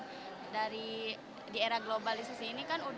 jadi bila kita menghadapi era globalisasi ini kan